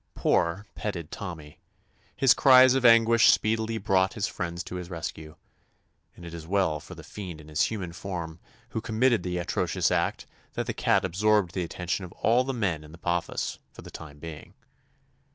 Poor, petted Tommy! His cries of anguish speedily brought his friends to his rescue, and it is well for the fiend in human form who committed the atrocious act that the cat absorbed the attention of all the men in the office for the time being.